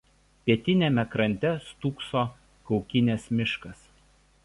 Pietiniame krante stūkso Kaukinės miškas.